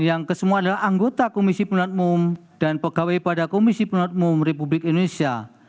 yang kesemua adalah anggota komisi pemilihan umum dan pegawai pada komisi pemilihan umum republik indonesia